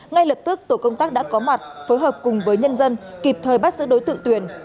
ngay lập tức tổ công tác đã có mặt phối hợp cùng với nhân dân kịp thời bắt giữ đối tượng tuyền